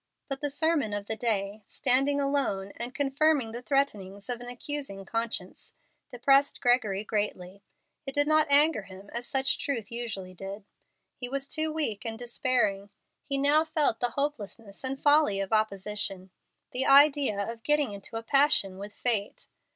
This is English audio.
But the sermon of the day, standing alone and confirming the threatenings of an accusing conscience, depressed Gregory greatly. It did not anger him, as such truth usually did. He was too weak and despairing. He now felt the hopelessness and folly of opposition. The idea of getting into a passion with fate!